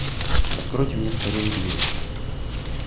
Откройте мне скорее дверь.